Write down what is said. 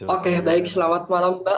oke baik selamat malam mbak